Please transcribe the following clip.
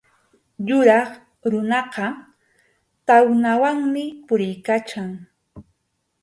Yuyaq runaqa tawnawanmi puriykachan.